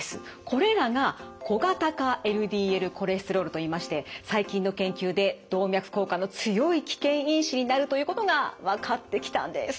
これらが小型化ＬＤＬコレステロールといいまして最近の研究で動脈硬化の強い危険因子になるということが分かってきたんです。